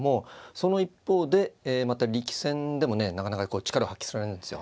その一方でまた力戦でもねなかなか力を発揮されるんですよ。